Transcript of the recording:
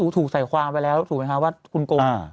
ถูกใส่ความไปแล้วถูกไหมคะว่าคุณโกง